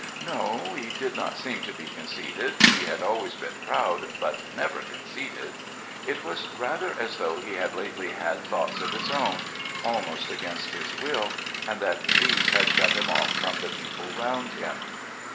No, he did not seem to be conceited he had always been proud, but never conceited. It was rather as though he had lately had thoughts of his own, almost against his will, and that these had shut him off from the people round him.